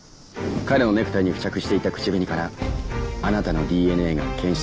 彼のネクタイに付着していた口紅からあなたのＤＮＡが検出されました。